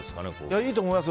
いいと思いますよ。